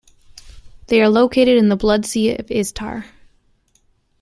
They are located in the Blood Sea of Istar.